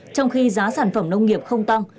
trong khi giá sản phẩm nông nghiệp không tăng